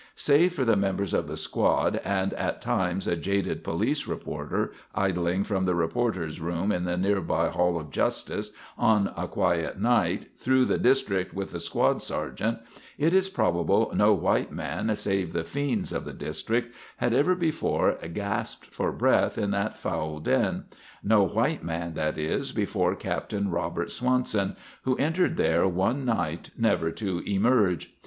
Save for the members of the squad, and at times a jaded police reporter, idling from the reporters' room in the near by Hall of Justice on a quiet night through the district with the squad sergeant, it is probable no white man save the "fiends" of the district had ever before gasped for breath in that foul den no white man, that is, before Captain Robert Swanson, who entered there one night never to emerge.